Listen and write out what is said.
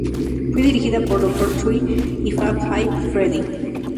Fue dirigida por Dr. Dre y Fab Five Freddy.